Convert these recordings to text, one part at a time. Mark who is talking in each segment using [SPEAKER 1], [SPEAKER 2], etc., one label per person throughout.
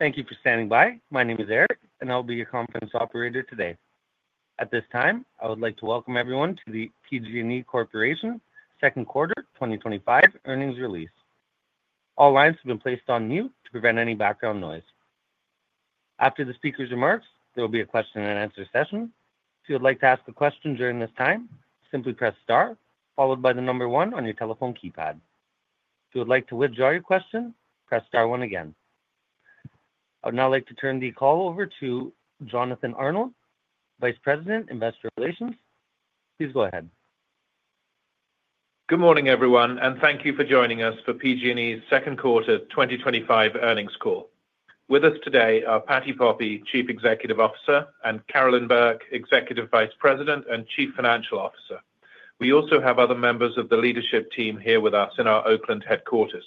[SPEAKER 1] Thank you for standing by, my name is Eric, and I'll be your conference operator today. At this time, I would like to welcome everyone to the PG&E Corporation Second Quarter 2025 Earnings Release. All lines have been placed on mute to prevent any background noise. After the speaker's remarks, there will be a question-and-answer session. If you would like to ask a question during this time, simply press Star, followed by the number one on your telephone keypad. If you would like to withdraw your question, press Star one again. I would now like to turn the call over to Jonathan Arnold, Vice President, Investor Relations. Please go ahead.
[SPEAKER 2] Good morning, everyone, and thank you for joining us for PG&E's Second Quarter 2025 earnings call. With us today are Patti Poppe, Chief Executive Officer, and Carolyn Burke, Executive Vice President and Chief Financial Officer. We also have other members of the leadership team here with us in our Oakland headquarters.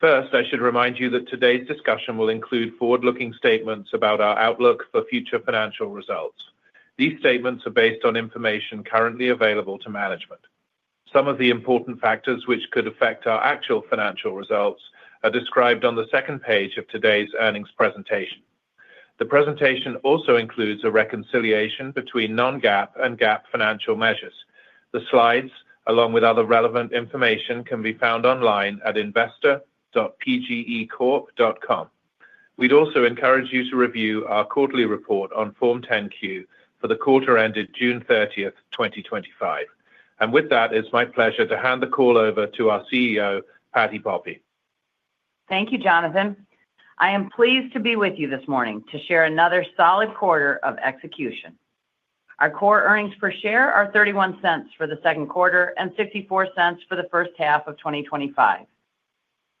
[SPEAKER 2] First, I should remind you that today's discussion will include forward-looking statements about our outlook for future financial results. These statements are based on information currently available to management. Some of the important factors which could affect our actual financial results are described on the second page of today's earnings presentation. The presentation also includes a reconciliation between non-GAAP and GAAP financial measures. The slides, along with other relevant information, can be found online at investor.pgeecorp.com. We'd also encourage you to review our quarterly report on Form 10-Q for the quarter ended June 30th 2025. With that, it's my pleasure to hand the call over to our CEO, Patti Poppe.
[SPEAKER 3] Thank you, Jonathan. I am pleased to be with you this morning to share another solid quarter of execution. Our core Earnings Per Share are $0.31 for the second quarter and $0.64 for the first half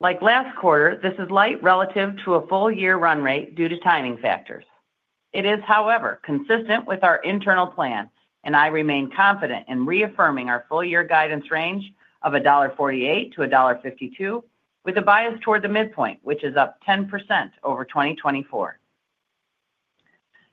[SPEAKER 3] of 2025. Like last quarter, this is light relative to a full-year run rate due to timing factors. It is, however, consistent with our internal plan, and I remain confident in reaffirming our full-year guidance range of $1.48-$1.52, with a bias toward the midpoint, which is up 10% over 2024.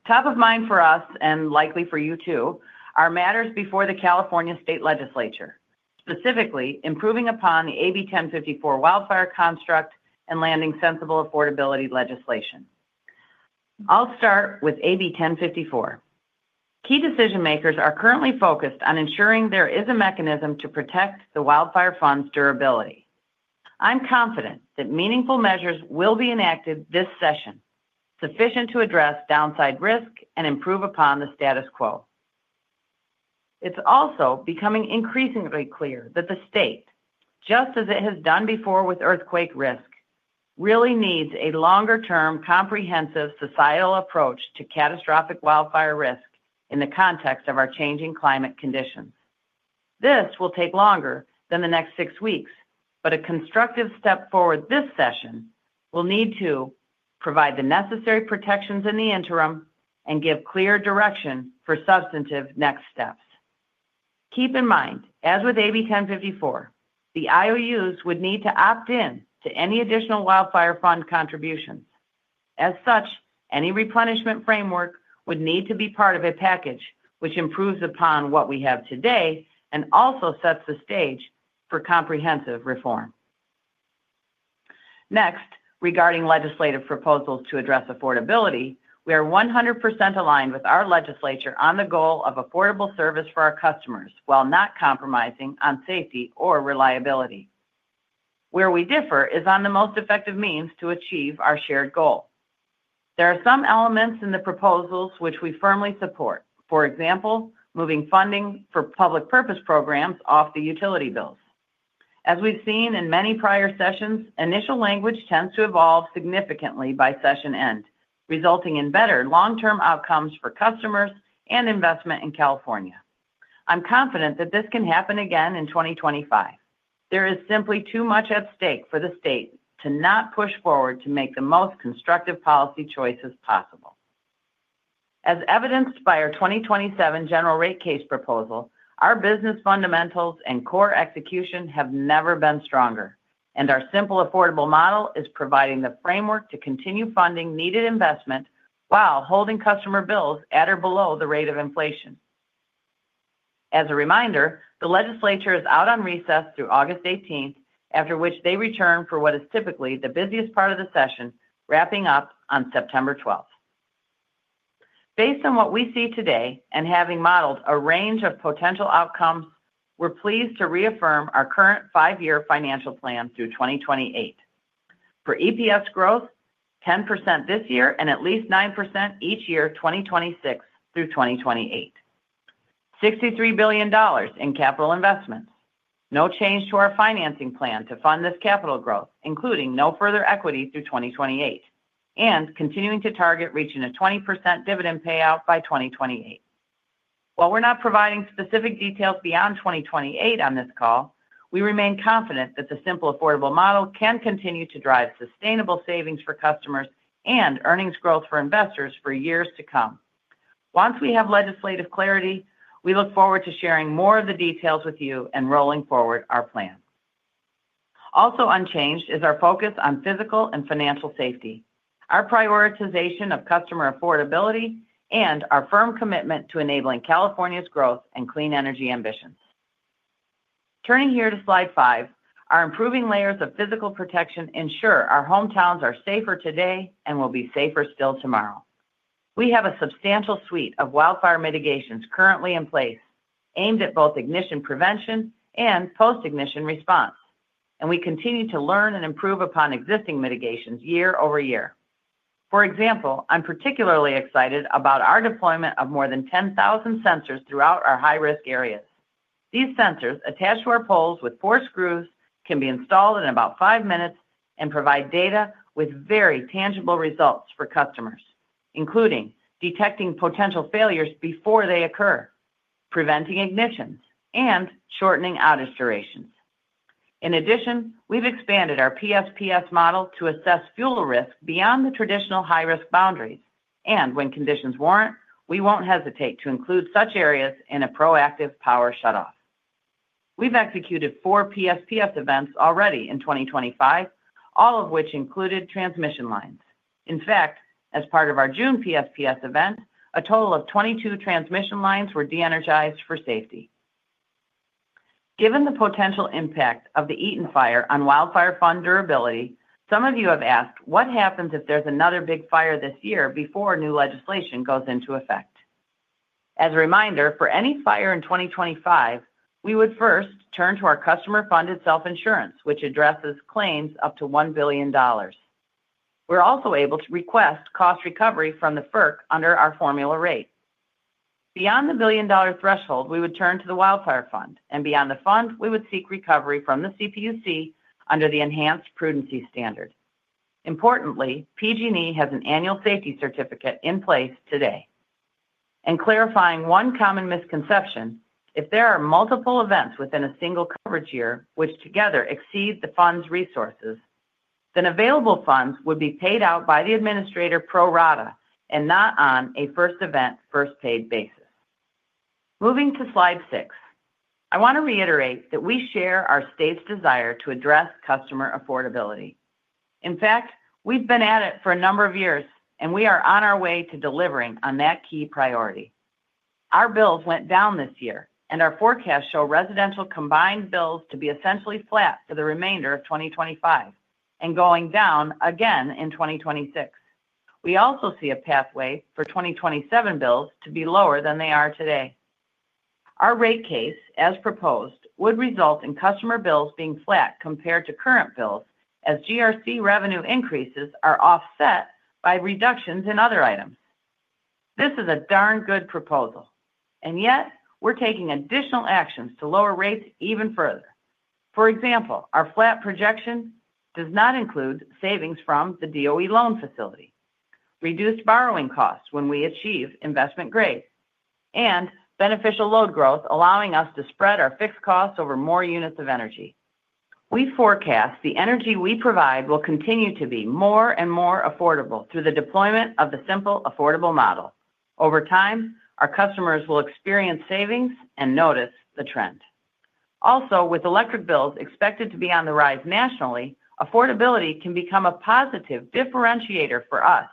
[SPEAKER 3] Top of mind for us, and likely for you too, are matters before the California State Legislature, specifically improving upon the AB 1054 wildfire construct and landing sensible affordability legislation. I'll start with AB 1054. Key decision-makers are currently focused on ensuring there is a mechanism to protect the wildfire funds' durability. I'm confident that meaningful measures will be enacted this session sufficient to address downside risk and improve upon the status quo. It's also becoming increasingly clear that the state, just as it has done before with earthquake risk, really needs a longer-term comprehensive societal approach to catastrophic wildfire risk in the context of our changing climate conditions. This will take longer than the next six weeks, but a constructive step forward this session will need to provide the necessary protections in the interim and give clear direction for substantive next steps. Keep in mind, as with AB 1054, the IOUs would need to opt in to any additional wildfire fund contributions. As such, any replenishment framework would need to be part of a package which improves upon what we have today and also sets the stage for comprehensive reform. Next, regarding legislative proposals to address affordability, we are 100% aligned with our legislature on the goal of affordable service for our customers while not compromising on safety or reliability. Where we differ is on the most effective means to achieve our shared goal. There are some elements in the proposals which we firmly support, for example, moving funding for public purpose programs off the utility bills. As we've seen in many prior sessions, initial language tends to evolve significantly by session end, resulting in better long-term outcomes for customers and investment in California. I'm confident that this can happen again in 2025. There is simply too much at stake for the state to not push forward to make the most constructive policy choices possible. As evidenced by our 2027 general rate case proposal, our business fundamentals and core execution have never been stronger, and our simple, affordable model is providing the framework to continue funding needed investment while holding customer bills at or below the rate of inflation. As a reminder, the legislature is out on recess through August 18, after which they return for what is typically the busiest part of the session, wrapping up on September 12. Based on what we see today and having modeled a range of potential outcomes, we're pleased to reaffirm our current five-year financial plan through 2028. For EPS growth, 10% this year and at least 9% each year 2026 through 2028. $63 billion in capital investments, no change to our financing plan to fund this capital growth, including no further equity through 2028, and continuing to target reaching a 20% dividend payout by 2028. While we're not providing specific details beyond 2028 on this call, we remain confident that the simple, affordable model can continue to drive sustainable savings for customers and earnings growth for investors for years to come. Once we have legislative clarity, we look forward to sharing more of the details with you and rolling forward our plan. Also unchanged is our focus on physical and financial safety, our prioritization of customer affordability, and our firm commitment to enabling California's growth and clean energy ambitions. Turning here to Slide five, our improving layers of physical protection ensure our hometowns are safer today and will be safer still tomorrow. We have a substantial suite of wildfire mitigations currently in place, aimed at both ignition prevention and post-ignition response, and we continue to learn and improve upon existing mitigations year-over-year. For example, I'm particularly excited about our deployment of more than 10,000 sensors throughout our high-risk areas. These sensors, attached to our poles with four screws, can be installed in about five minutes and provide data with very tangible results for customers, including detecting potential failures before they occur, preventing ignitions, and shortening outage durations. In addition, we've expanded our PSPS model to assess fuel risk beyond the traditional high-risk boundaries, and when conditions warrant, we won't hesitate to include such areas in a proactive power shutoff. We've executed four PSPS events already in 2025, all of which included transmission lines. In fact, as part of our June PSPS event, a total of 22 transmission lines were de-energized for safety. Given the potential impact of the Eaton fire on wildfire fund durability, some of you have asked what happens if there's another big fire this year before new legislation goes into effect. As a reminder, for any fire in 2025, we would first turn to our customer-funded self-insurance, which addresses claims up to $1 billion. We're also able to request cost recovery from the FERC under our formula rate. Beyond the $1 billion threshold, we would turn to the wildfire fund, and beyond the fund, we would seek recovery from the CPUC under the Enhanced Prudency Standard. Importantly, PG&E has an annual safety certificate in place today. Clarifying one common misconception, if there are multiple events within a single coverage year which together exceed the fund's resources, then available funds would be paid out by the administrator pro rata and not on a first event, first paid basis. Moving to Slide six, I want to reiterate that we share our state's desire to address customer affordability. In fact, we've been at it for a number of years, and we are on our way to delivering on that key priority. Our bills went down this year, and our forecasts show residential combined bills to be essentially flat for the remainder of 2025 and going down again in 2026. We also see a pathway for 2027 bills to be lower than they are today. Our rate case, as proposed, would result in customer bills being flat compared to current bills as GRC revenue increases are offset by reductions in other items. This is a darn good proposal, yet we're taking additional actions to lower rates even further. For example, our flat projection does not include savings from the DOE loan facility, reduced borrowing costs when we achieve investment grade, and beneficial load growth allowing us to spread our fixed costs over more units of energy. We forecast the energy we provide will continue to be more and more affordable through the deployment of the simple affordable model. Over time, our customers will experience savings and notice the trend. Also, with electric bills expected to be on the rise nationally, affordability can become a positive differentiator for us,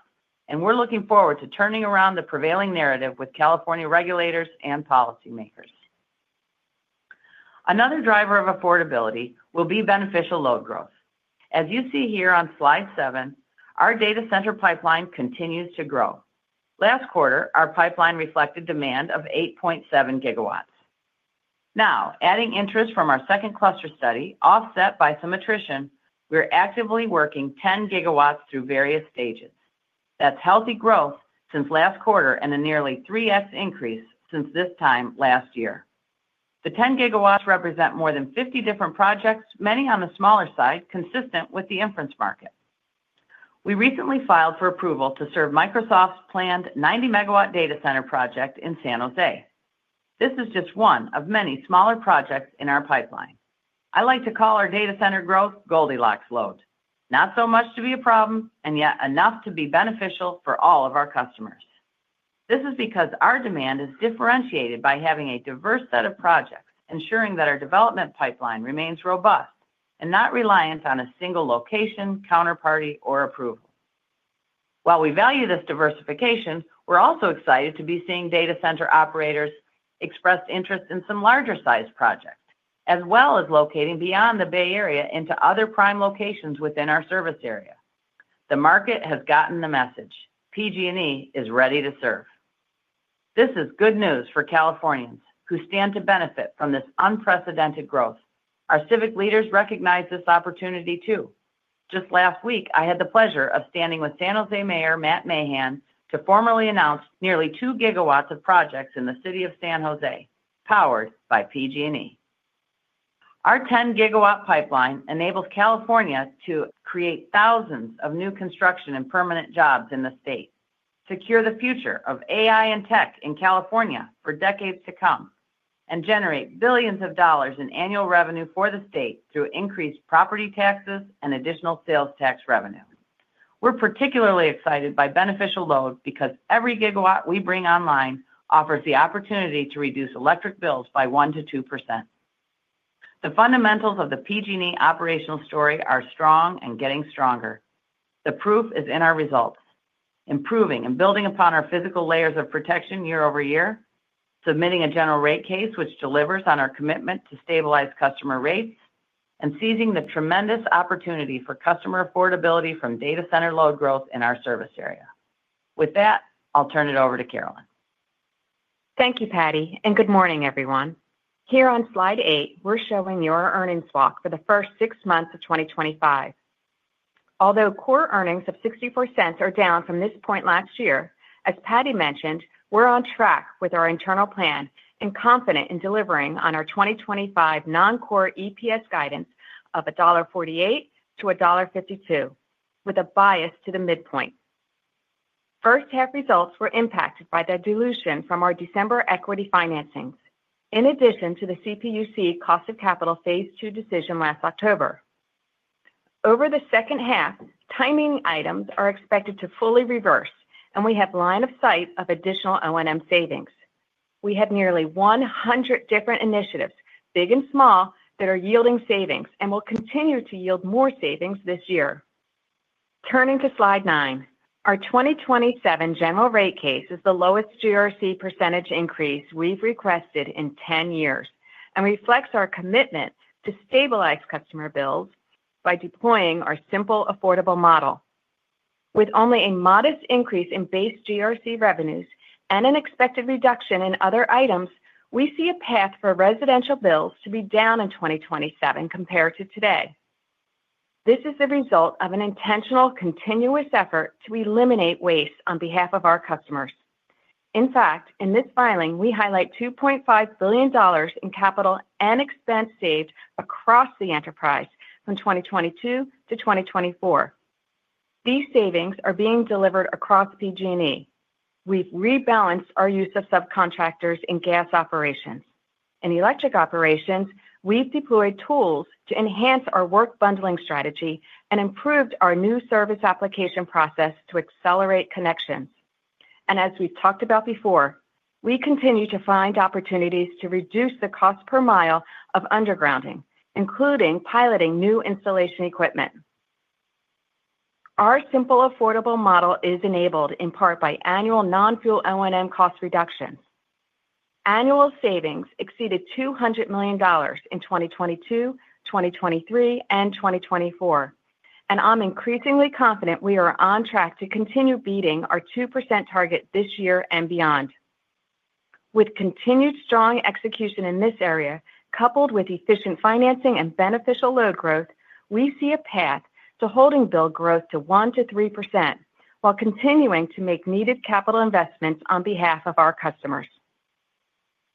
[SPEAKER 3] and we're looking forward to turning around the prevailing narrative with California regulators and policymakers. Another driver of affordability will be beneficial load growth. As you see here on Slide seven, our data center pipeline continues to grow. Last quarter, our pipeline reflected demand of 8.7 GW. Now, adding interest from our second cluster study, offset by some attrition, we're actively working 10 GW through various stages. That's healthy growth since last quarter and a nearly 3X increase since this time last year. The 10 GW represent more than 50 different projects, many on the smaller side, consistent with the inference market. We recently filed for approval to serve Microsoft's planned 90-megawatt data center project in San Jose. This is just one of many smaller projects in our pipeline. I like to call our data center growth Goldilocks load. Not so much to be a problem, and yet enough to be beneficial for all of our customers. This is because our demand is differentiated by having a diverse set of projects, ensuring that our development pipeline remains robust and not reliant on a single location, counterparty, or approval. While we value this diversification, we're also excited to be seeing data center operators express interest in some larger-sized projects, as well as locating beyond the Bay Area into other prime locations within our service area. The market has gotten the message. PG&E is ready to serve. This is good news for Californians who stand to benefit from this unprecedented growth. Our civic leaders recognize this opportunity too. Just last week, I had the pleasure of standing with San Jose Mayor Matt Mahan to formally announce nearly 2 GW of projects in the city of San Jose powered by PG&E. Our 10 GW pipeline enables California to create thousands of new construction and permanent jobs in the state, secure the future of AI and tech in California for decades to come, and generate billions of dollars in annual revenue for the state through increased property taxes and additional sales tax revenue. We're particularly excited by beneficial load because every GW we bring online offers the opportunity to reduce electric bills by 1%-2%. The fundamentals of the PG&E operational story are strong and getting stronger. The proof is in our results, improving and building upon our physical layers of protection year-over-year, submitting a general rate case which delivers on our commitment to stabilize customer rates, and seizing the tremendous opportunity for customer affordability from data center load growth in our service area. With that, I'll turn it over to Carolyn.
[SPEAKER 4] Thank you, Patti, and good morning, everyone. Here on Slide eight, we're showing your earnings walk for the first six months of 2025. Although core earnings of $0.64 are down from this point last year, as Patti mentioned, we're on track with our internal plan and confident in delivering on our 2025 non-core EPS guidance of $1.48-$1.52, with a bias to the midpoint. First-half results were impacted by the dilution from our December equity financings, in addition to the CPUC cost of capital phase two decision last October. Over the second half, timing items are expected to fully reverse, and we have line of sight of additional O&M savings. We have nearly 100 different initiatives, big and small, that are yielding savings and will continue to yield more savings this year. Turning to Slide nine, our 2027 general rate case is the lowest GRC % increase we've requested in 10 years and reflects our commitment to stabilize customer bills by deploying our simple affordable model. With only a modest increase in base GRC revenues and an expected reduction in other items, we see a path for residential bills to be down in 2027 compared to today. This is the result of an intentional continuous effort to eliminate waste on behalf of our customers. In fact, in this filing, we highlight $2.5 billion in capital and expense saved across the enterprise from 2022-2024. These savings are being delivered across PG&E. We've rebalanced our use of subcontractors in gas operations. In electric operations, we've deployed tools to enhance our work bundling strategy and improved our new service application process to accelerate connections. As we've talked about before, we continue to find opportunities to reduce the cost per mile of undergrounding, including piloting new installation equipment. Our simple affordable model is enabled in part by annual non-fuel O&M cost reductions. Annual savings exceeded $200 million in 2022, 2023, and 2024, and I'm increasingly confident we are on track to continue beating our 2% target this year and beyond. With continued strong execution in this area, coupled with efficient financing and beneficial load growth, we see a path to holding bill growth to 1%-3% while continuing to make needed capital investments on behalf of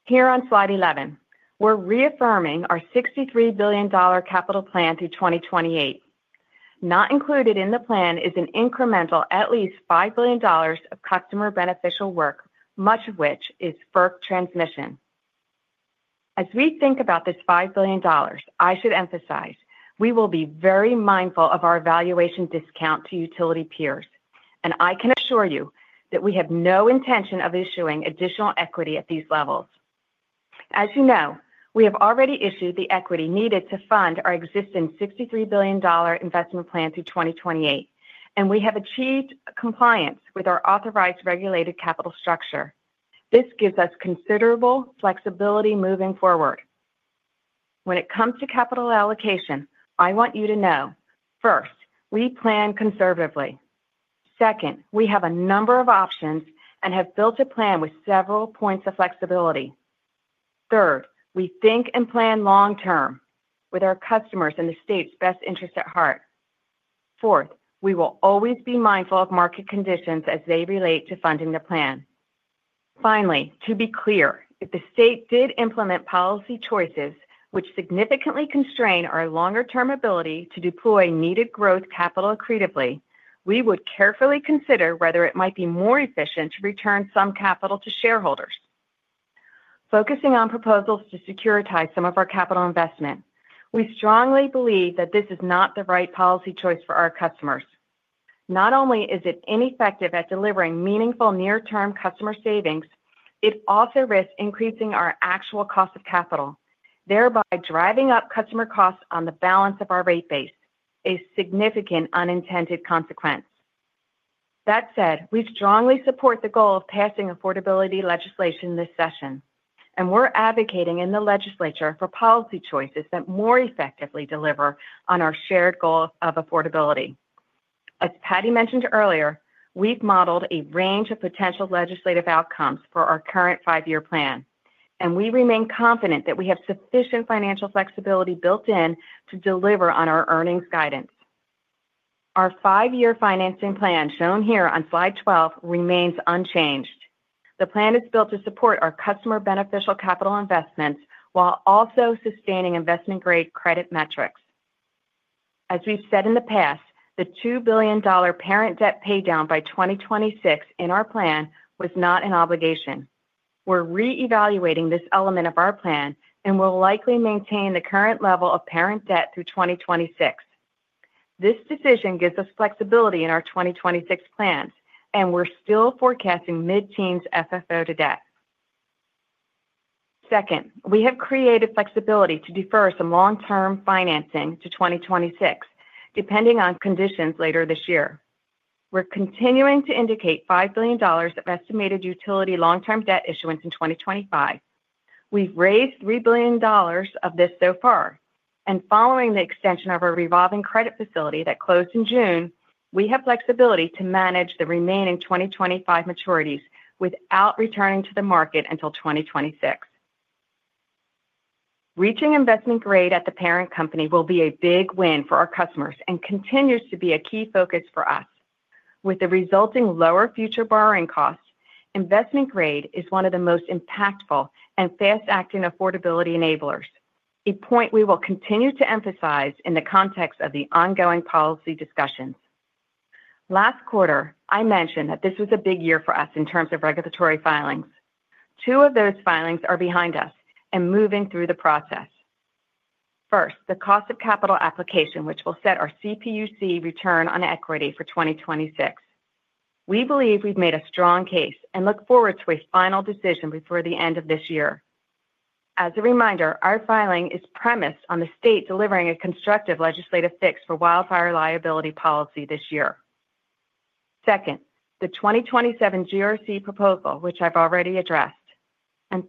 [SPEAKER 4] our customers. Here on Slide 11, we're reaffirming our $63 billion capital plan through 2028. Not included in the plan is an incremental at least $5 billion of customer beneficial work, much of which is FERC transmission. As we think about this $5 billion, I should emphasize we will be very mindful of our evaluation discount to utility peers, and I can assure you that we have no intention of issuing additional equity at these levels. As you know, we have already issued the equity needed to fund our existing $63 billion investment plan through 2028, and we have achieved compliance with our authorized regulated capital structure. This gives us considerable flexibility moving forward. When it comes to capital allocation, I want you to know, first, we plan conservatively. Second, we have a number of options and have built a plan with several points of flexibility. Third, we think and plan long-term with our customers and the state's best interest at heart. Fourth, we will always be mindful of market conditions as they relate to funding the plan. Finally, to be clear, if the state did implement policy choices which significantly constrain our longer-term ability to deploy needed growth capital accretively, we would carefully consider whether it might be more efficient to return some capital to shareholders. Focusing on proposals to securitize some of our capital investment, we strongly believe that this is not the right policy choice for our customers. Not only is it ineffective at delivering meaningful near-term customer savings, it also risks increasing our actual cost of capital, thereby driving up customer costs on the balance of our rate base, a significant unintended consequence. That said, we strongly support the goal of passing affordability legislation this session, and we're advocating in the legislature for policy choices that more effectively deliver on our shared goal of affordability. As Patti mentioned earlier, we've modeled a range of potential legislative outcomes for our current five-year plan, and we remain confident that we have sufficient financial flexibility built in to deliver on our earnings guidance. Our five-year financing plan shown here on Slide 12 remains unchanged. The plan is built to support our customer beneficial capital investments while also sustaining investment-grade credit metrics. As we've said in the past, the $2 billion parent debt paydown by 2026 in our plan was not an obligation. We're reevaluating this element of our plan and will likely maintain the current level of parent debt through 2026. This decision gives us flexibility in our 2026 plans, and we're still forecasting mid-teens FFO to debt. Second, we have created flexibility to defer some long-term financing to 2026, depending on conditions later this year. We're continuing to indicate $5 billion of estimated utility long-term debt issuance in 2025. We've raised $3 billion of this so far, and following the extension of our revolving credit facility that closed in June, we have flexibility to manage the remaining 2025 maturities without returning to the market until 2026. Reaching investment grade at the parent company will be a big win for our customers and continues to be a key focus for us. With the resulting lower future borrowing costs, investment grade is one of the most impactful and fast-acting affordability enablers, a point we will continue to emphasize in the context of the ongoing policy discussions. Last quarter, I mentioned that this was a big year for us in terms of regulatory filings. Two of those filings are behind us and moving through the process. First, the cost of capital application, which will set our CPUC return on equity for 2026. We believe we've made a strong case and look forward to a final decision before the end of this year. As a reminder, our filing is premised on the state delivering a constructive legislative fix for wildfire liability policy this year. Second, the 2027 GRC proposal, which I've already addressed.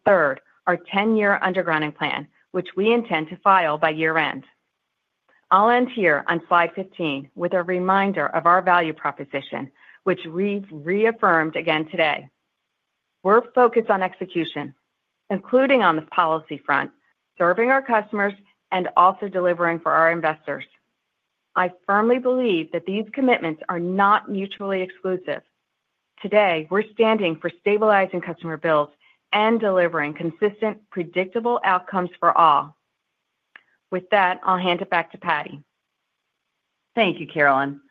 [SPEAKER 4] Third, our 10-year undergrounding plan, which we intend to file by year-end. I'll end here on Slide 15 with a reminder of our value proposition, which we've reaffirmed again today. We're focused on execution, including on the policy front, serving our customers, and also delivering for our investors. I firmly believe that these commitments are not mutually exclusive. Today, we're standing for stabilizing customer bills and delivering consistent, predictable outcomes for all. With that, I'll hand it back to Patti.
[SPEAKER 3] Thank you, Carolyn.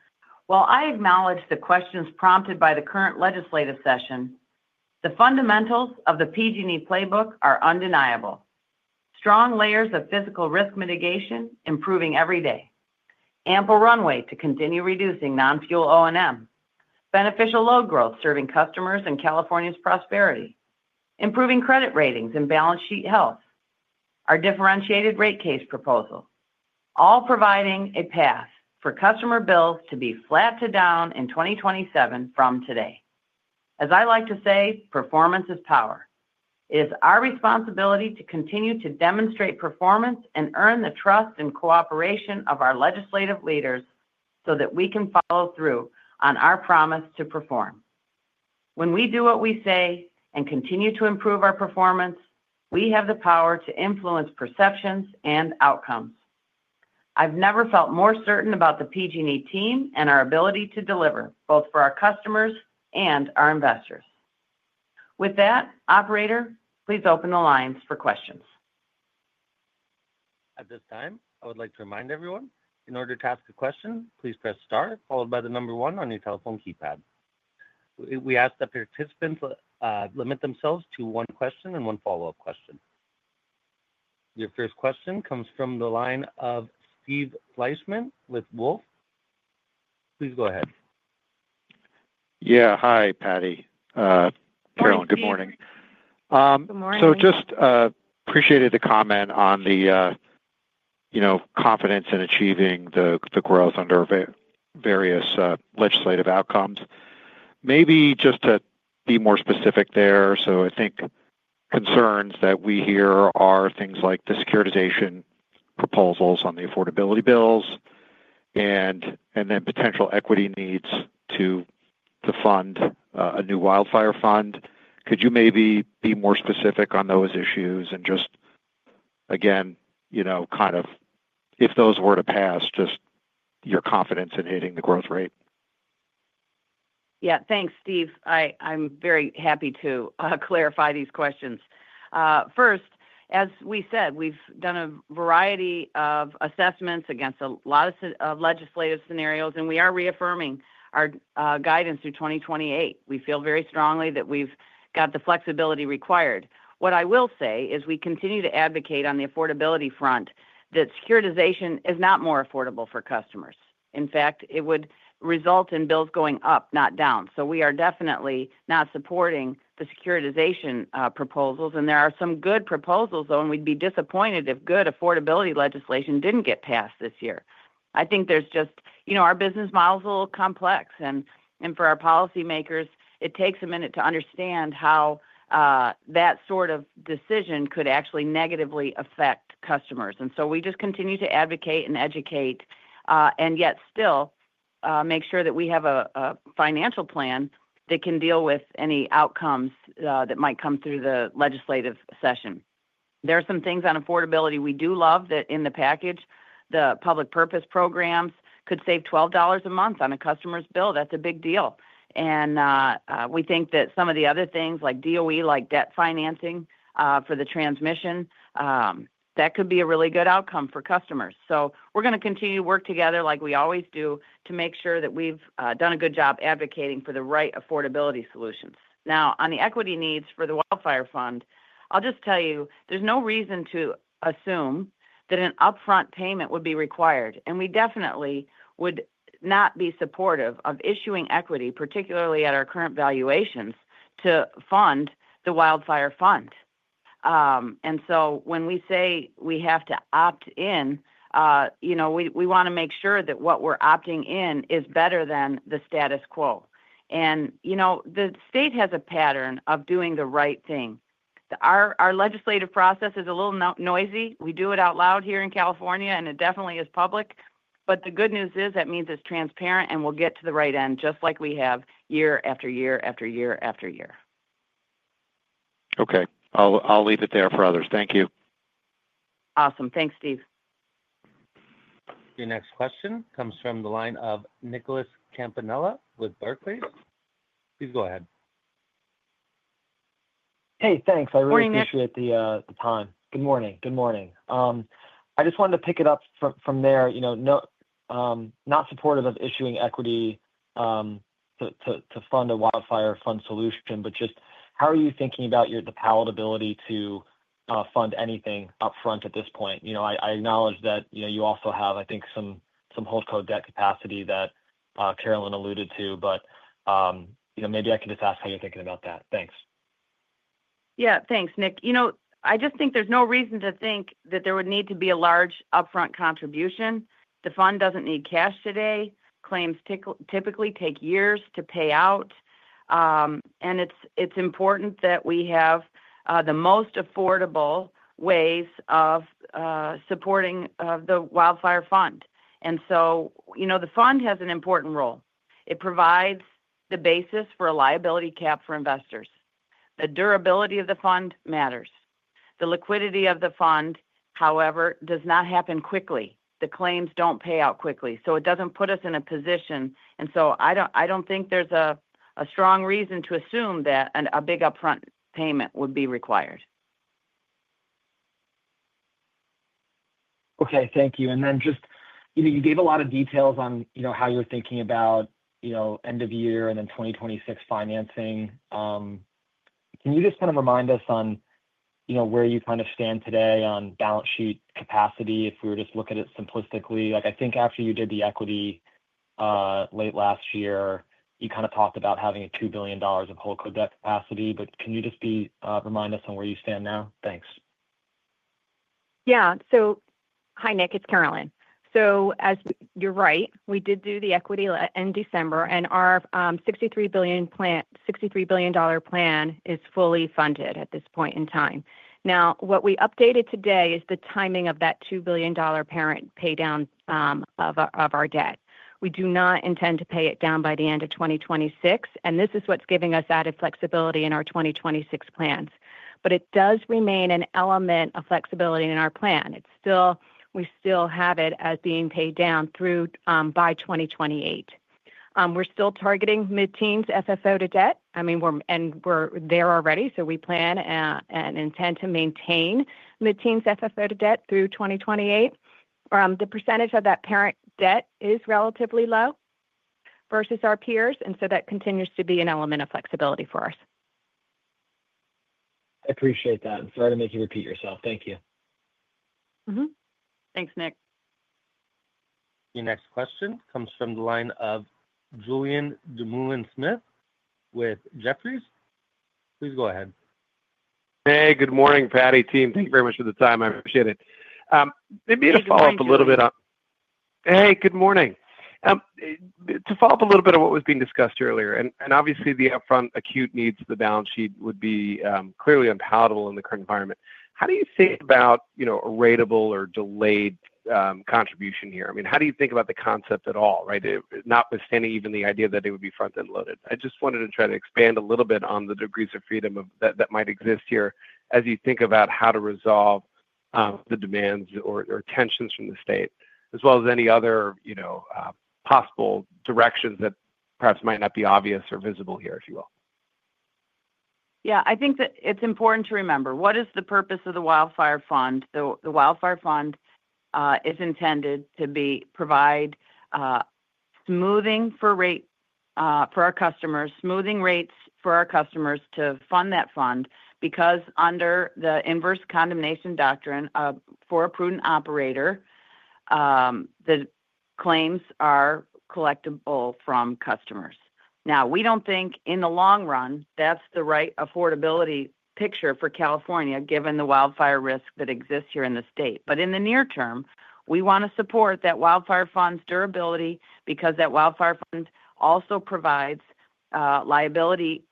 [SPEAKER 3] While I acknowledge the questions prompted by the current legislative session, the fundamentals of the PG&E Playbook are undeniable. Strong layers of physical risk mitigation improving every day. Ample runway to continue reducing non-fuel O&M. Beneficial load growth serving customers and California's prosperity. Improving credit ratings and balance sheet health. Our differentiated rate case proposal, all providing a path for customer bills to be flat to down in 2027 from today. As I like to say, performance is power. It is our responsibility to continue to demonstrate performance and earn the trust and cooperation of our legislative leaders so that we can follow through on our promise to perform. When we do what we say and continue to improve our performance, we have the power to influence perceptions and outcomes. I've never felt more certain about the PG&E Team and our ability to deliver both for our customers and our investors. With that, Operator, please open the lines for questions.
[SPEAKER 1] At this time, I would like to remind everyone, in order to ask a question, please press Star, followed by the number one on your telephone keypad. We ask that participants limit themselves to one question and one follow-up question. Your first question comes from the line of Steve Fleischman with Wolfe. Please go ahead.
[SPEAKER 5] Yeah. Hi, Patti. Carolyn, good morning. Good morning. Just appreciated the comment on the confidence in achieving the growth under various legislative outcomes. Maybe just to be more specific there, I think concerns that we hear are things like the securitization proposals on the affordability bills and then potential equity needs to fund a new wildfire fund. Could you maybe be more specific on those issues and just, again, kind of if those were to pass, your confidence in hitting the growth rate?
[SPEAKER 3] Yeah. Thanks, Steve. I'm very happy to clarify these questions. First, as we said, we've done a variety of assessments against a lot of legislative scenarios, and we are reaffirming our guidance through 2028. We feel very strongly that we've got the flexibility required. What I will say is we continue to advocate on the affordability front that securitization is not more affordable for customers. In fact, it would result in bills going up, not down. We are definitely not supporting the securitization proposals, and there are some good proposals, though, and we'd be disappointed if good affordability legislation didn't get passed this year. I think our business model's a little complex, and for our policymakers, it takes a minute to understand how that sort of decision could actually negatively affect customers. We just continue to advocate and educate, and yet still make sure that we have a financial plan that can deal with any outcomes that might come through the legislative session. There are some things on affordability we do love that in the package, the public purpose programs could save $12 a month on a customer's bill. That's a big deal. We think that some of the other things, like DOE, like debt financing for the transmission, could be a really good outcome for customers. We're going to continue to work together like we always do to make sure that we've done a good job advocating for the right affordability solutions. Now, on the equity needs for the wildfire fund, I'll just tell you, there's no reason to assume that an upfront payment would be required, and we definitely would not be supportive of issuing equity, particularly at our current valuations, to fund the wildfire fund. When we say we have to opt in, we want to make sure that what we're opting in is better than the status quo. The state has a pattern of doing the right thing. Our legislative process is a little noisy. We do it out loud here in California, and it definitely is public. The good news is that means it's transparent and we'll get to the right end just like we have year after year after year after year.
[SPEAKER 5] Okay. I'll leave it there for others. Thank you.
[SPEAKER 3] Awesome. Thanks, Steve.
[SPEAKER 1] Your next question comes from the line of Nicholas Campanella with Barclays. Please go ahead.
[SPEAKER 6] Hey, thanks. I really appreciate the time. Good morning. Good morning. I just wanted to pick it up from there. Not supportive of issuing equity to fund a wildfire fund solution, but just how are you thinking about the palatability to fund anything upfront at this point? I acknowledge that you also have, I think, some Holdco debt capacity that Carolyn alluded to, but maybe I can just ask how you're thinking about that. Thanks.
[SPEAKER 3] Yeah. Thanks, Nick. I just think there's no reason to think that there would need to be a large upfront contribution. The fund doesn't need cash today. Claims typically take years to pay out. It's important that we have the most affordable ways of supporting the wildfire fund. The fund has an important role. It provides the basis for a liability cap for investors. The durability of the fund matters. The liquidity of the fund, however, does not happen quickly. The claims don't pay out quickly. It doesn't put us in a position. I don't think there's a strong reason to assume that a big upfront payment would be required.
[SPEAKER 6] Okay. Thank you. You gave a lot of details on how you're thinking about. End of year and then 2026 financing. Can you just kind of remind us on where you kind of stand today on balance sheet capacity if we were just looking at it simplistically? I think after you did the equity late last year, you kind of talked about having a $2 billion of Holdco debt capacity. Can you just remind us on where you stand now? Thanks.
[SPEAKER 4] Yeah. Hi, Nick. It's Carolyn. As you're right, we did do the equity in December, and our $63 billion plan is fully funded at this point in time. What we updated today is the timing of that $2 billion parent paydown of our debt. We do not intend to pay it down by the end of 2026, and this is what's giving us added flexibility in our 2026 plans. It does remain an element of flexibility in our plan. We still have it as being paid down by 2028. We're still targeting mid-teens FFO to debt, and we're there already, so we plan and intend to maintain mid-teens FFO to debt through 2028. The percentage of that parent debt is relatively low versus our peers, and that continues to be an element of flexibility for us.
[SPEAKER 6] I appreciate that. I'm sorry to make you repeat yourself. Thank you.
[SPEAKER 4] Thanks, Nick.
[SPEAKER 1] Your next question comes from the line of Julien Dumoulin-Smith with Jefferies. Please go ahead.
[SPEAKER 7] Hey, good morning, Patti team. Thank you very much for the time. I appreciate it. Maybe to follow up a little bit on what was being discussed earlier, and obviously, the upfront acute needs to the balance sheet would be clearly unpalatable in the current environment. How do you think about a ratable or delayed contribution here? How do you think about the concept at all, right? Notwithstanding even the idea that it would be front-end loaded. I just wanted to try to expand a little bit on the degrees of freedom that might exist here as you think about how to resolve the demands or tensions from the state, as well as any other possible directions that perhaps might not be obvious or visible here, if you will.
[SPEAKER 3] Yeah. I think that it's important to remember what is the purpose of the wildfire fund. The wildfire fund is intended to provide smoothing for our customers, smoothing rates for our customers to fund that fund because under the inverse condemnation doctrine for a prudent operator, the claims are collectible from customers. Now, we don't think in the long run that's the right affordability picture for California given the wildfire risk that exists here in the state. In the near term, we want to support that wildfire fund's durability because that wildfire fund also provides liability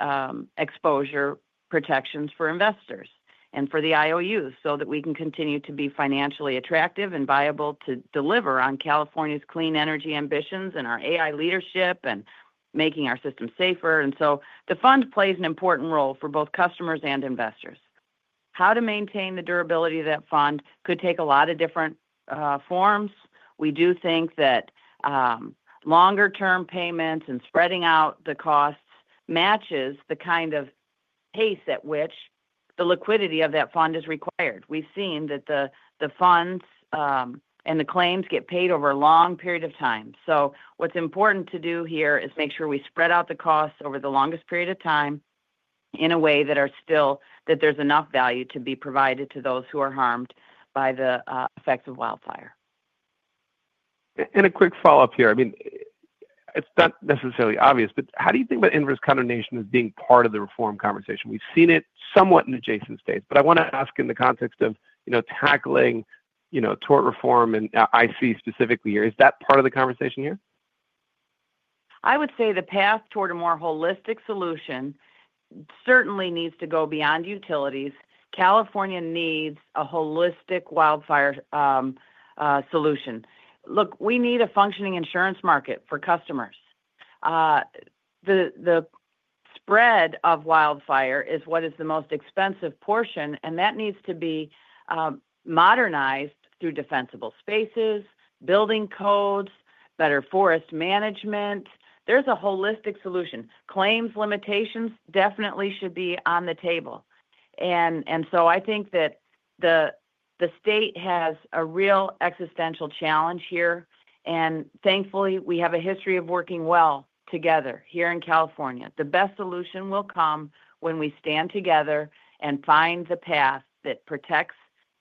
[SPEAKER 3] exposure protections for investors and for the IOU so that we can continue to be financially attractive and viable to deliver on California's clean energy ambitions and our AI leadership and making our system safer. The fund plays an important role for both customers and investors. How to maintain the durability of that fund could take a lot of different forms. We do think that longer-term payments and spreading out the costs matches the kind of pace at which the liquidity of that fund is required. We've seen that the funds and the claims get paid over a long period of time. What's important to do here is make sure we spread out the costs over the longest period of time in a way that there's enough value to be provided to those who are harmed by the effects of wildfire.
[SPEAKER 7] A quick follow-up here. It's not necessarily obvious, but how do you think about inverse condemnation as being part of the reform conversation? We've seen it somewhat in adjacent states, but I want to ask in the context of tackling tort reform and IC specifically here. Is that part of the conversation here?
[SPEAKER 3] I would say the path toward a more holistic solution certainly needs to go beyond utilities. California needs a holistic wildfire solution. Look, we need a functioning insurance market for customers. The spread of wildfire is what is the most expensive portion, and that needs to be modernized through defensible spaces, building codes, better forest management. There's a holistic solution. Claims limitations definitely should be on the table. I think that the state has a real existential challenge here. Thankfully, we have a history of working well together here in California. The best solution will come when we stand together and find the path that protects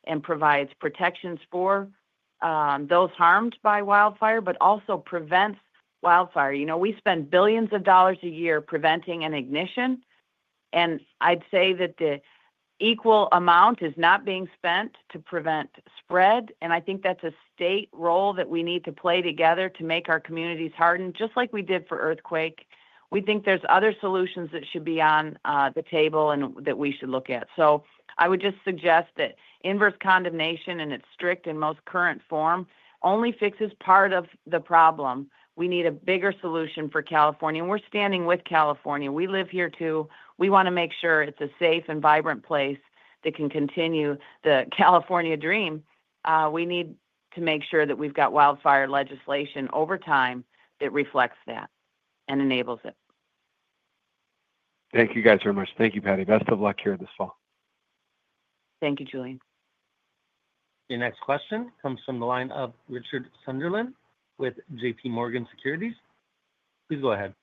[SPEAKER 3] and provides protections for those harmed by wildfire, but also prevents wildfire. We spend billions of dollars a year preventing an ignition. I'd say that the equal amount is not being spent to prevent spread. I think that's a state role that we need to play together to make our communities harden, just like we did for earthquake. We think there's other solutions that should be on the table and that we should look at. I would just suggest that inverse condemnation in its strict and most current form only fixes part of the problem. We need a bigger solution for California. We're standing with California. We live here too. We want to make sure it's a safe and vibrant place that can continue the California dream. We need to make sure that we've got wildfire legislation over time that reflects that and enables it.
[SPEAKER 7] Thank you guys very much. Thank you, Patti. Best of luck here this fall.
[SPEAKER 3] Thank you, Julien.
[SPEAKER 1] Your next question comes from the line of Richard Sunderland with JPMorgan Securities LLC.
[SPEAKER 8] Please go ahead.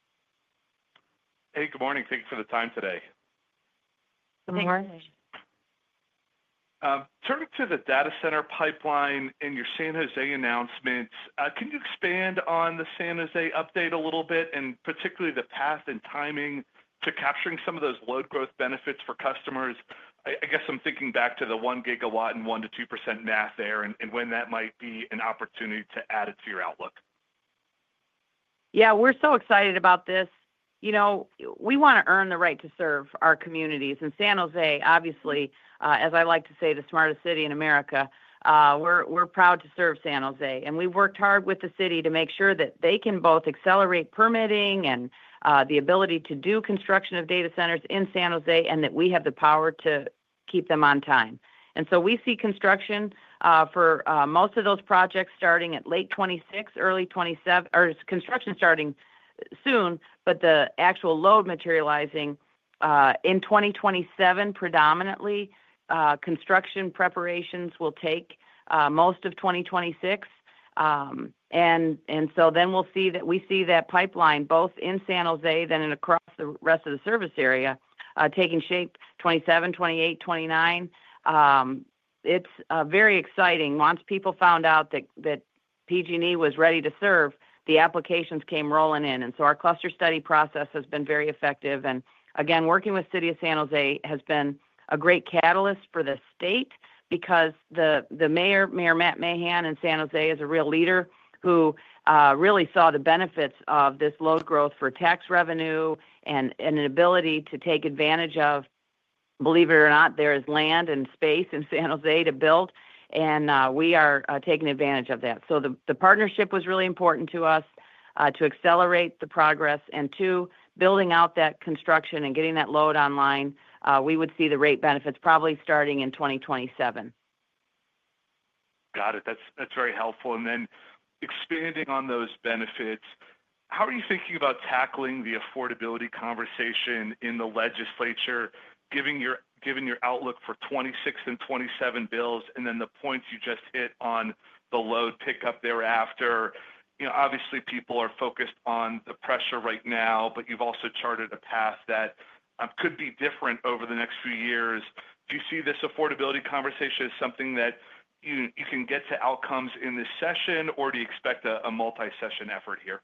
[SPEAKER 8] Hey, good morning. Thank you for the time today. Good morning. Turning to the data center pipeline and your San Jose announcements, can you expand on the San Jose update a little bit and particularly the path and timing to capturing some of those load growth benefits for customers? I guess I'm thinking back to the 1 GW and 1%-2% math there and when that might be an opportunity to add it to your outlook.
[SPEAKER 3] Yeah. We're so excited about this. We want to earn the right to serve our communities. San Jose, obviously, as I like to say, the smartest city in America. We're proud to serve San Jose. We've worked hard with the city to make sure that they can both accelerate permitting and the ability to do construction of data centers in San Jose and that we have the power to keep them on time. We see construction for most of those projects starting at late 2026, early 2027, or construction starting soon, but the actual load materializing in 2027 predominantly. Construction preparations will take most of 2026. We'll see that pipeline both in San Jose then and across the rest of the service area taking shape 2027, 2028, 2029. It's very exciting. Once people found out that PG&E was ready to serve, the applications came rolling in. Our cluster study process has been very effective. Working with the City of San Jose has been a great catalyst for the state because the mayor, Mayor Matt Mahan, in San Jose is a real leader who really saw the benefits of this load growth for tax revenue and an ability to take advantage of. Believe it or not, there is land and space in San Jose to build, and we are taking advantage of that. The partnership was really important to us to accelerate the progress and to building out that construction and getting that load online. We would see the rate benefits probably starting in 2027.
[SPEAKER 8] That's very helpful. Expanding on those benefits, how are you thinking about tackling the affordability conversation in the legislature, given your outlook for 2026 and 2027 bills, and the points you just hit on the load pickup thereafter? Obviously, people are focused on the pressure right now, but you've also charted a path that could be different over the next few years. Do you see this affordability conversation as something that you can get to outcomes in this session, or do you expect a multi-session effort here?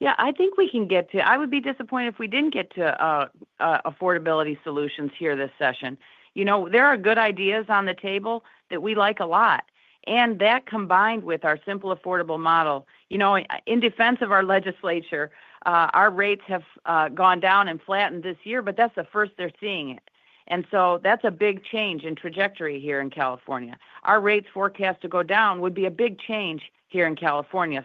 [SPEAKER 3] Yeah. I think we can get to it. I would be disappointed if we didn't get to affordability solutions here this session. There are good ideas on the table that we like a lot. That combined with our simple affordable model, in defense of our legislature, our rates have gone down and flattened this year, but that's the first they're seeing it. That's a big change in trajectory here in California. Our rates forecast to go down would be a big change here in California.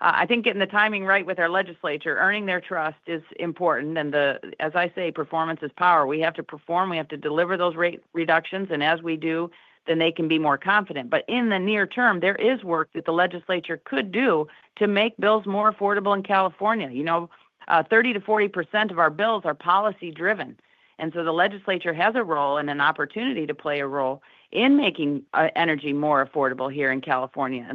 [SPEAKER 3] I think getting the timing right with our legislature, earning their trust is important. As I say, performance is power. We have to perform. We have to deliver those rate reductions. As we do, then they can be more confident. In the near term, there is work that the legislature could do to make bills more affordable in California. 30% to 40% of our bills are policy-driven. The legislature has a role and an opportunity to play a role in making energy more affordable here in California.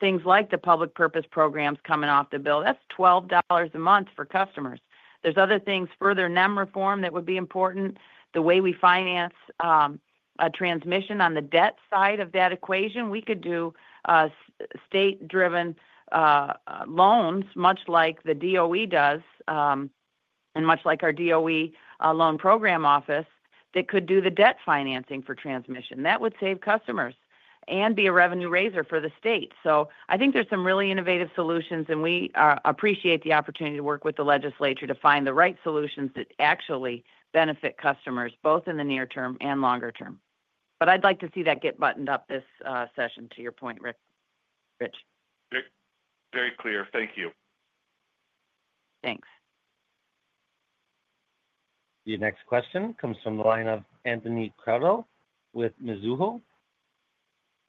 [SPEAKER 3] Things like the public purpose programs coming off the bill, that's $12 a month for customers. There are other things, further NEM reform that would be important. The way we finance a transmission on the debt side of that equation, we could do state-driven loans, much like the DOE does. Much like our DOE loan program office, that could do the debt financing for transmission. That would save customers and be a revenue raiser for the state. I think there's some really innovative solutions, and we appreciate the opportunity to work with the legislature to find the right solutions that actually benefit customers, both in the near term and longer term. I'd like to see that get buttoned up this session, to your point, Rich.
[SPEAKER 8] Very clear. Thank you. Thanks.
[SPEAKER 1] Your next question comes from the line of Anthony Crowdell with Mizuho.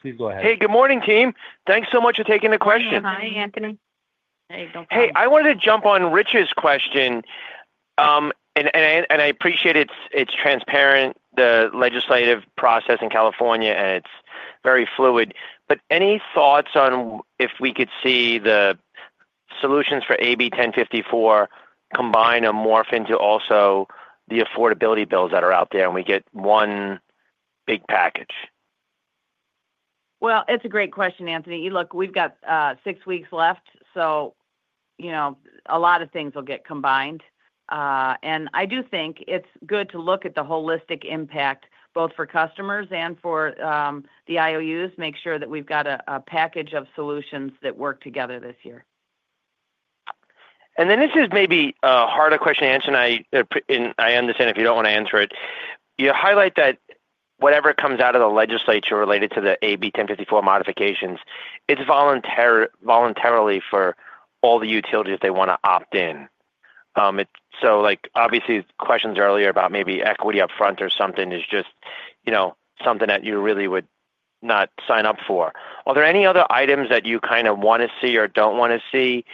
[SPEAKER 1] Please go ahead.
[SPEAKER 9] Hey, good morning, team. Thanks so much for taking the question. Hi, Anthony. Hey, don't fall. I wanted to jump on Rich's question. I appreciate it's transparent, the legislative process in California, and it's very fluid. Any thoughts on if we could see the solutions for AB 1054 combine or morph into also the affordability bills that are out there and we get one big package?
[SPEAKER 3] It's a great question, Anthony. Look, we've got six weeks left. A lot of things will get combined. I do think it's good to look at the holistic impact both for customers and for the IOUs, make sure that we've got a package of solutions that work together this year.
[SPEAKER 9] This is maybe a harder question to answer, and I understand if you don't want to answer it. You highlight that whatever comes out of the legislature related to the AB 1054 modifications, it's voluntary for all the utilities that want to opt in. Obviously, questions earlier about maybe equity upfront or something is just something that you really would not sign up for. Are there any other items that you kind of want to see or don't want to see that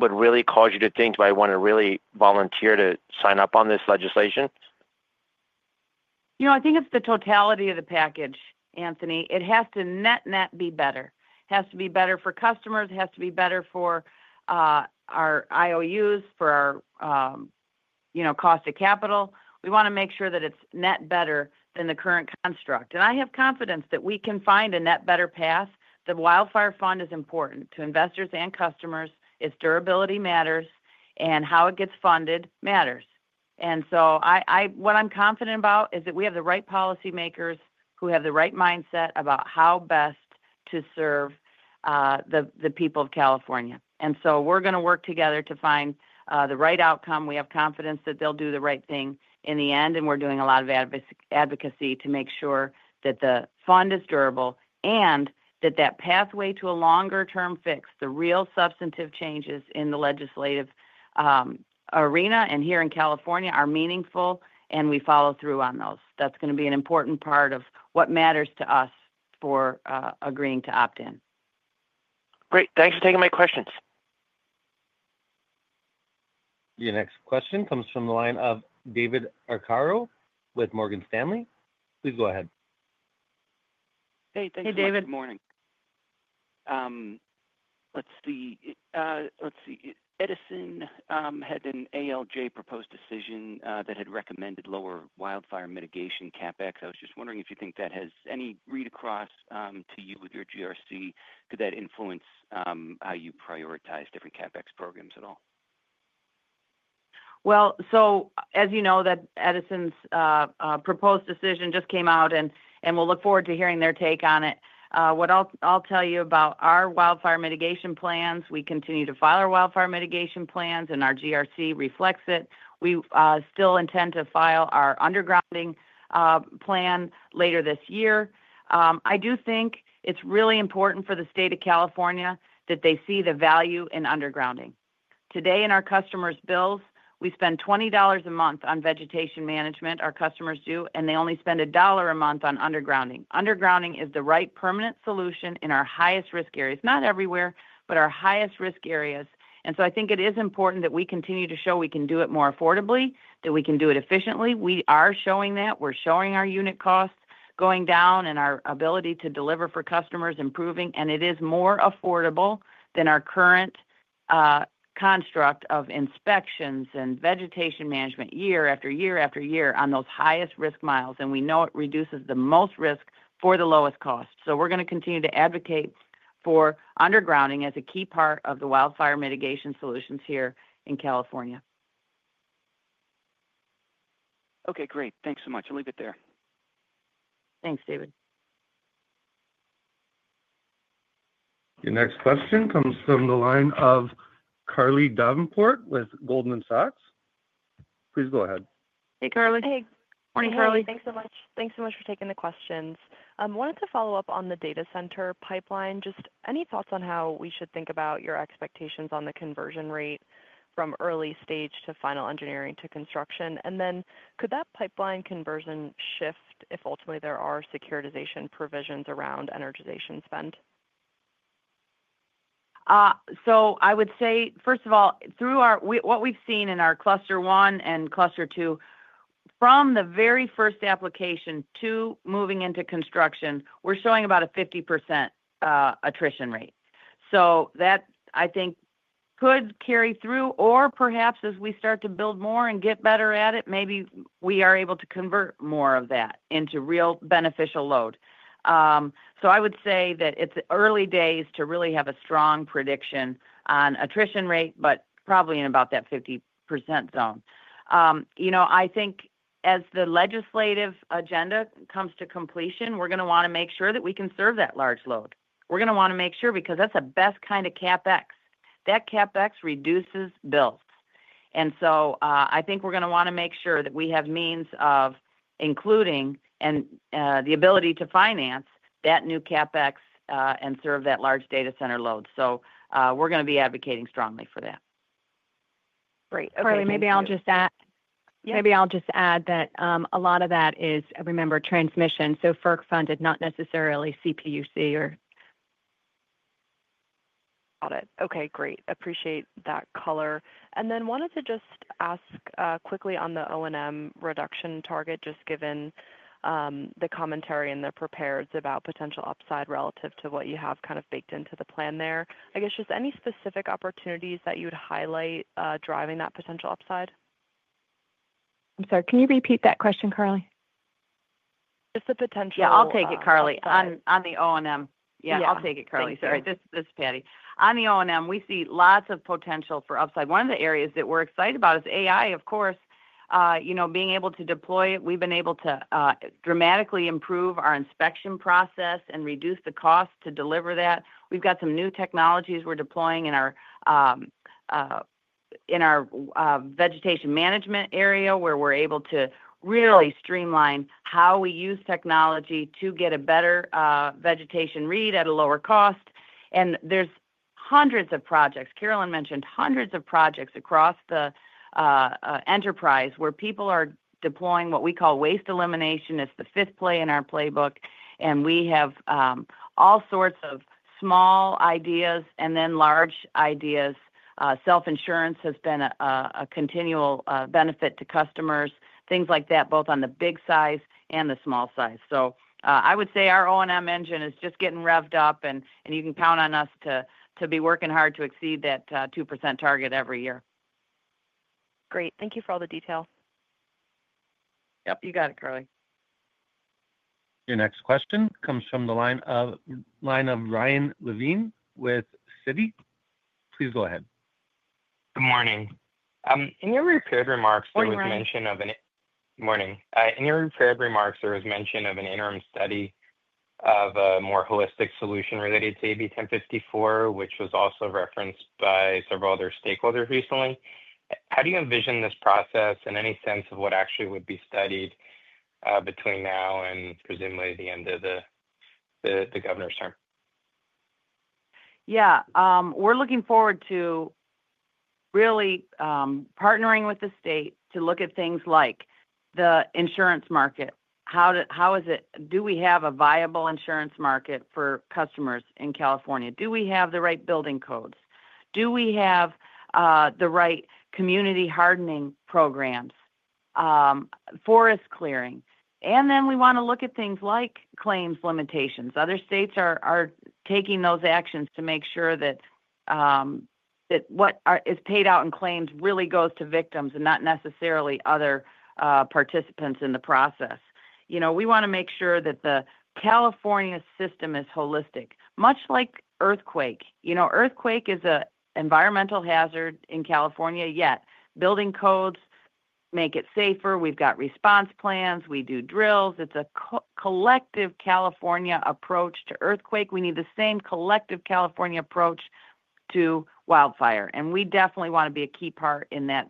[SPEAKER 9] would really cause you to think, "I want to really volunteer to sign up on this legislations?
[SPEAKER 3] I think it's the totality of the package, Anthony. It has to net-net be better. It has to be better for customers. It has to be better for our IOUs, for our cost of capital. We want to make sure that it's net better than the current construct. I have confidence that we can find a net-better path. The wildfire fund is important to investors and customers. Its durability matters, and how it gets funded matters. What I'm confident about is that we have the right policymakers who have the right mindset about how best to serve the people of California. We're going to work together to find the right outcome. We have confidence that they'll do the right thing in the end, and we're doing a lot of advocacy to make sure that the fund is durable and that that pathway to a longer-term fix, the real substantive changes in the legislative arena and here in California are meaningful, and we follow through on those. That's going to be an important part of what matters to us for agreeing to opt in.
[SPEAKER 9] Great. Thanks for taking my questions.
[SPEAKER 1] Your next question comes from the line of David Arcaro with Morgan Stanley. Please go ahead.
[SPEAKER 10] Hey, David. Good morning. Let's see. Edison had an ALJ proposed decision that had recommended lower wildfire mitigation CapEx. I was just wondering if you think that has any read across to you with your GRC? Could that influence how you prioritize different CapEx programs at all?
[SPEAKER 3] As you know, Edison's proposed decision just came out, and we'll look forward to hearing their take on it. What I'll tell you about our wildfire mitigation plans: we continue to file our wildfire mitigation plans, and our GRC reflects it. We still intend to file our undergrounding plan later this year. I do think it's really important for the state of California that they see the value in undergrounding. Today, in our customers' bills, we spend $20 a month on vegetation management. Our customers do, and they only spend $1 a month on undergrounding. Undergrounding is the right permanent solution in our highest-risk areas, not everywhere, but our highest-risk areas. I think it is important that we continue to show we can do it more affordably, that we can do it efficiently. We are showing that. We're showing our unit costs going down and our ability to deliver for customers improving. It is more affordable than our current construct of inspections and vegetation management year after year after year on those highest-risk miles. We know it reduces the most risk for the lowest cost. We're going to continue to advocate for undergrounding as a key part of the wildfire mitigation solutions here in California.
[SPEAKER 10] Okay. Great. Thanks so much. I'll leave it there.
[SPEAKER 3] Thanks, David.
[SPEAKER 1] Your next question comes from the line of Carly Davenport with Goldman Sachs. Please go ahead.
[SPEAKER 11] Hey, Carly. Hey. Good morning, Carly. Thanks so much. Thanks so much for taking the questions. I wanted to follow up on the data center pipeline. Just any thoughts on how we should think about your expectations on the conversion rate from early stage to final engineering to construction? Could that pipeline conversion shift if ultimately there are securitization provisions around energization spend?
[SPEAKER 3] I would say, first of all, through what we've seen in our cluster one and cluster two, from the very first application to moving into construction, we're showing about a 50% attrition rate. That, I think, could carry through. Or perhaps as we start to build more and get better at it, maybe we are able to convert more of that into real beneficial load. I would say that it's early days to really have a strong prediction on attrition rate, but probably in about that 50% zone. I think as the legislative agenda comes to completion, we're going to want to make sure that we can serve that large load. We're going to want to make sure because that's the best kind of CapEx. That CapEx reduces bills. I think we're going to want to make sure that we have means of including and the ability to finance that new CapEx and serve that large data center load. We're going to be advocating strongly for that. Great. Okay. Carly.
[SPEAKER 4] Maybe I'll just add that a lot of that is, remember, transmission. FERC-funded, not necessarily CPUCs there.
[SPEAKER 11] Got it. Okay. Great. Appreciate that color. I wanted to just ask quickly on the O&M reduction target, just given the commentary and the preparedness about potential upside relative to what you have kind of baked into the plan there. I guess just any specific opportunities that you would highlight driving that potential upside?
[SPEAKER 4] I'm sorry. Can you repeat that question, Carly? J
[SPEAKER 3] ust the potential upside. Yeah, I'll take it, Carly. On the O&M. Sorry. This is Patti. On the O&M, we see lots of potential for upside. One of the areas that we're excited about is AI, of course. Being able to deploy it, we've been able to dramatically improve our inspection process and reduce the cost to deliver that. We've got some new technologies we're deploying in our vegetation management area where we're able to really streamline how we use technology to get a better vegetation read at a lower cost. There are hundreds of projects. Carolyn mentioned hundreds of projects across the enterprise where people are deploying what we call waste elimination. It's the fifth play in our playbook. We have all sorts of small ideas and then large ideas. Self-insurance has been a continual benefit to customers, things like that, both on the big size and the small size. I would say our O&M engine is just getting revved up, and you can count on us to be working hard to exceed that 2% target every year.
[SPEAKER 11] Great. Thank you for all the detail. Yep. You got it, Carly.
[SPEAKER 1] Your next question comes from the line of Ryan Levine with Citi. Please go ahead.
[SPEAKER 12] Good morning. In your prepared remarks, there was mention of an— Good morning. Good morning. In your prepared remarks, there was mention of an interim study of a more holistic solution related to AB 1054, which was also referenced by several other stakeholders recently. How do you envision this process and any sense of what actually would be studied between now and presumably the end of the Governor's term?
[SPEAKER 3] Yeah. We're looking forward to really partnering with the state to look at things like the insurance market. How do we have a viable insurance market for customers in California? Do we have the right building codes? Do we have the right community hardening programs, forest clearing? We want to look at things like claims limitations. Other states are taking those actions to make sure that what is paid out in claims really goes to victims and not necessarily other participants in the process. We want to make sure that the California system is holistic, much like earthquake. Earthquake is an environmental hazard in California, yet building codes make it safer. We've got response plans. We do drills. It's a collective California approach to earthquake. We need the same collective California approach to wildfire. We definitely want to be a key part in that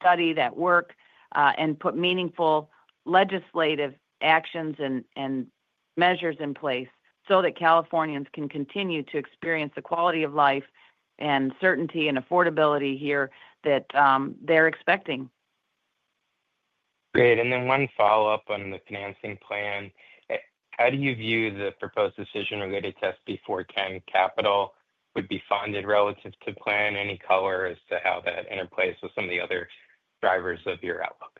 [SPEAKER 3] study, that work, and put meaningful legislative actions and measures in place so that Californians can continue to experience the quality of life and certainty and affordability here that they're expecting.
[SPEAKER 12] Great. One follow-up on the financing plan. How do you view the proposed decision related to SB 410 capital would be funded relative to plan? Any color as to how that interplays with some of the other drivers of your outlook?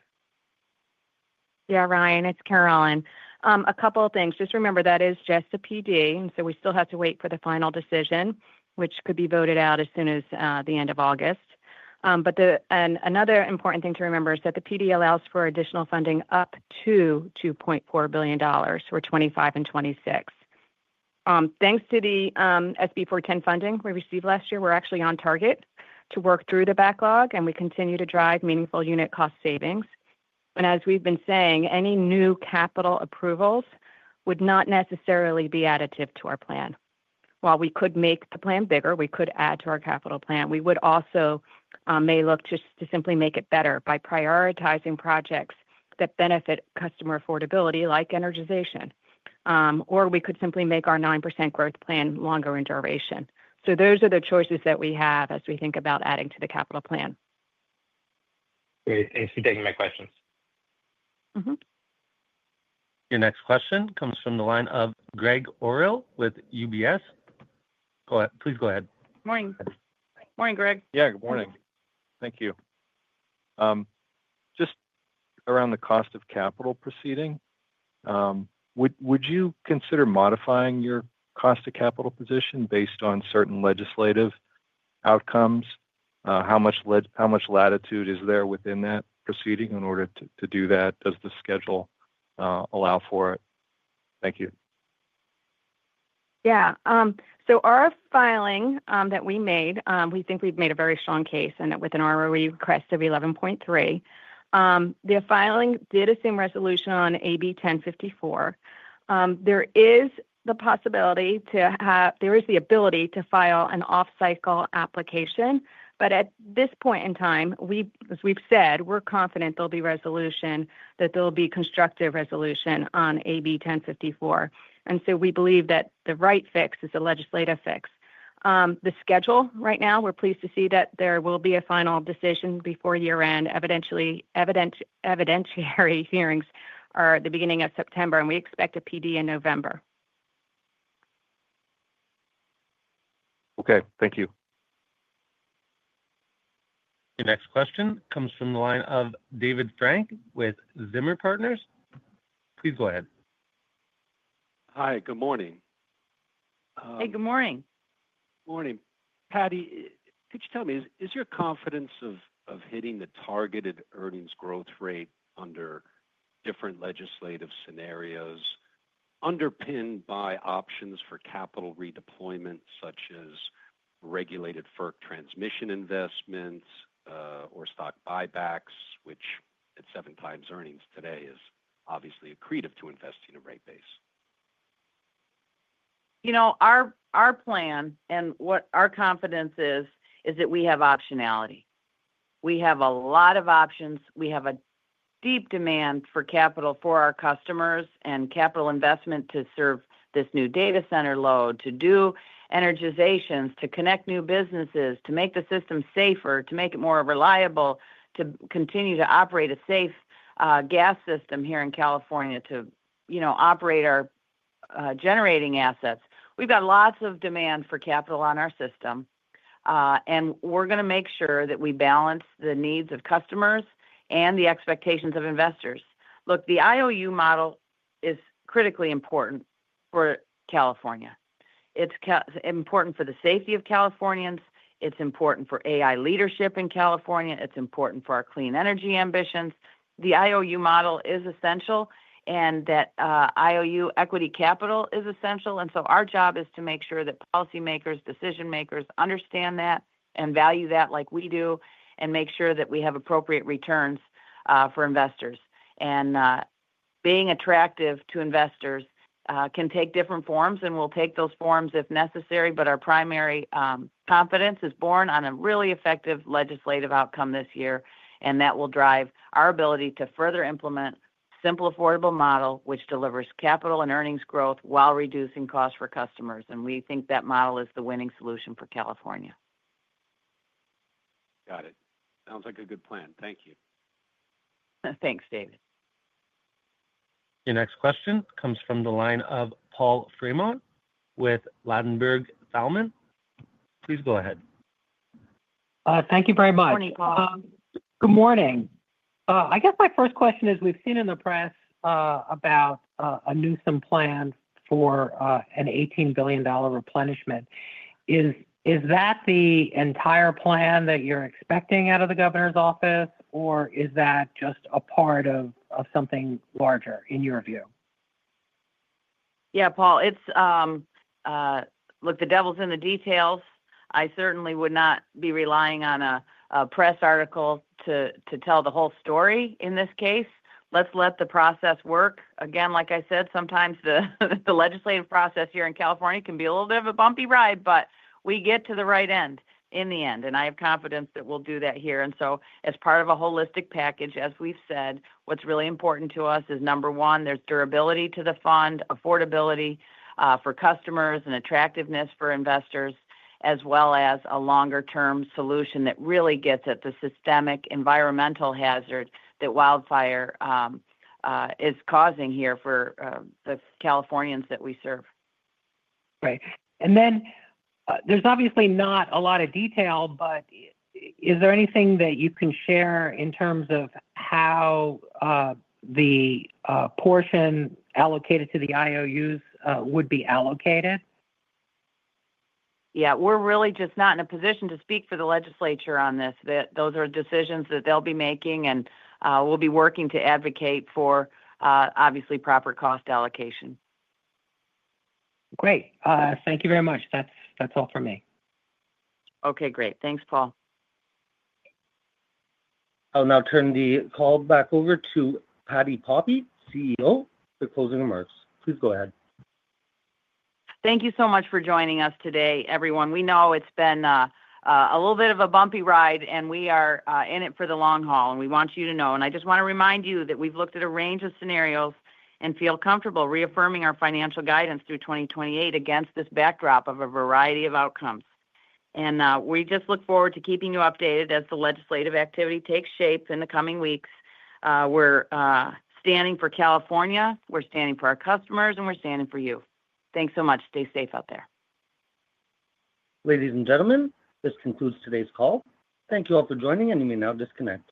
[SPEAKER 4] Yeah, Ryan, it's Carolyn. A couple of things. Just remember that is just a PD, and so we still have to wait for the final decision, which could be voted out as soon as the end of August. Another important thing to remember is that the PD allows for additional funding up to $2.4 billion for 2025 and 2026. Thanks to the SB 410 funding we received last year, we're actually on target to work through the backlog, and we continue to drive meaningful unit cost savings. As we've been saying, any new capital approvals would not necessarily be additive to our plan. While we could make the plan bigger, we could add to our capital plan. We may also look to simply make it better by prioritizing projects that benefit customer affordability, like energization. We could simply make our 9% growth plan longer in duration. Those are the choices that we have as we think about adding to the capital plan.
[SPEAKER 12] Great. Thanks for taking my questions.
[SPEAKER 1] Your next question comes from the line of Greg Orill with UBS. Please go ahead.
[SPEAKER 13] Morning. Morning, Greg. Yeah, good morning. Thank you. Just around the cost of capital proceeding. Would you consider modifying your cost of capital position based on certain legislative outcomes? How much latitude is there within that proceeding in order to do that? Does the schedule allow for it? Thank you. Y
[SPEAKER 4] eah. Our filing that we made, we think we've made a very strong case within our request of 11.3. The filing did assume resolution on AB 1054. There is the possibility to have the ability to file an off-cycle application. At this point in time, as we've said, we're confident there will be resolution, that there will be constructive resolution on AB 1054. We believe that the right fix is a legislative fix. The schedule right now, we're pleased to see that there will be a final decision before year-end. Evidentiary hearings are at the beginning of September, and we expect a PD in November. Okay. Thank you.
[SPEAKER 1] Your next question comes from the line of David Frank with Zimmer Partners. Please go ahead.
[SPEAKER 14] Hi. Good morning. Hey, good morning. Good morning. Patti, could you tell me, is your confidence of hitting the targeted earnings growth rate under different legislative scenarios underpinned by options for capital redeployment, such as regulated FERC transmission investments or stock buybacks, which at seven times earnings today is obviously accretive to investing in a rate base?
[SPEAKER 3] Our plan and what our confidence is, is that we have optionality. We have a lot of options. We have a deep demand for capital for our customers and capital investment to serve this new data center load, to do energizations, to connect new businesses, to make the system safer, to make it more reliable, to continue to operate a safe gas system here in California, to operate our generating assets. We've got lots of demand for capital on our system. We're going to make sure that we balance the needs of customers and the expectations of investors. Look, the IOU model is critically important for California. It's important for the safety of Californians. It's important for AI leadership in California. It's important for our clean energy ambitions. The IOU model is essential, and that IOU equity capital is essential. Our job is to make sure that policymakers and decision-makers understand that and value that like we do, and make sure that we have appropriate returns for investors. Being attractive to investors can take different forms, and we'll take those forms if necessary. Our primary confidence is born on a really effective legislative outcome this year, and that will drive our ability to further implement a simple, affordable model which delivers capital and earnings growth while reducing costs for customers. We think that model is the winning solution for California.
[SPEAKER 14] Got it. Sounds like a good plan. Thank you.
[SPEAKER 3] Thanks, David.
[SPEAKER 1] Your next question comes from the line of Paul Fremont with Lattenberg Thalman. Please go ahead.
[SPEAKER 15] Thank you very much. Good morning, Paul. Good morning. I guess my first question is, we've seen in the press about a Newsom plan for an $18 billion replenishment. Is that the entire plan that you're expecting out of the governor's office, or is that just a part of something larger in your view? Y
[SPEAKER 3] eah, Paul. The devil's in the details. I certainly would not be relying on a press article to tell the whole story in this case. Let's let the process work. Like I said, sometimes the legislative process here in California can be a little bit of a bumpy ride, but we get to the right end in the end. I have confidence that we'll do that here. As part of a holistic package, as we've said, what's really important to us is, number one, there's durability to the fund, affordability for customers, and attractiveness for investors, as well as a longer-term solution that really gets at the systemic environmental hazard that wildfire is causing here for the Californians that we serve.
[SPEAKER 15] Right. There's obviously not a lot of detail, but is there anything that you can share in terms of how the portion allocated to the IOUs would be allocated?
[SPEAKER 3] Yeah. We're really just not in a position to speak for the legislature on this. Those are decisions that they'll be making, and we'll be working to advocate for, obviously, proper cost allocation.
[SPEAKER 15] Great. Thank you very much. That's all for me.
[SPEAKER 3] Okay. Great. Thanks, Paul.
[SPEAKER 1] I'll now turn the call back over to Patti Poppe, CEO, for closing remarks. Please go ahead.
[SPEAKER 3] Thank you so much for joining us today, everyone. We know it's been a little bit of a bumpy ride, and we are in it for the long haul, and we want you to know. I just want to remind you that we've looked at a range of scenarios and feel comfortable reaffirming our financial guidance through 2028 against this backdrop of a variety of outcomes. We look forward to keeping you updated as the legislative activity takes shape in the coming weeks. We're standing for California, we're standing for our customers, and we're standing for you. Thanks so much. Stay safe out there. Ladies and gentlemen, this concludes today's call. Thank you all for joining, and you may now disconnect.